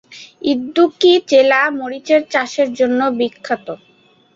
ইদুক্কি জেলা মরিচ চাষের জন্য বিখ্যাত।